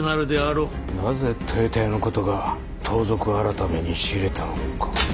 なぜ豊田屋の事が盗賊改に知れたのか。